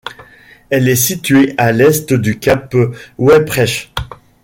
Elle est située à l'est du Cap Weyprecht.